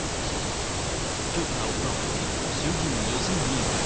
きょうから行われている衆議院予算委員会。